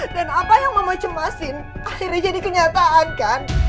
dan apa yang mama cemasin akhirnya jadi kenyataan kan